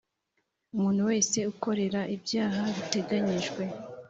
Umuntu wese ukorera ibyaha biteganyijwe